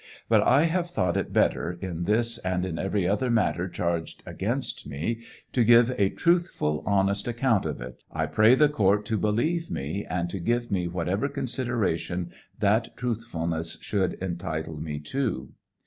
But I have thought it better, in this and in every other matter charged against me, to give a truthful, honest account of it. I pray the court to believe me, and to give me whatever consideration that truthfulness should entitle me to.